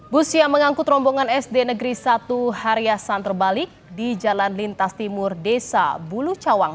bus yang mengangkut rombongan sd negeri satu hariasan terbalik di jalan lintas timur desa bulu cawang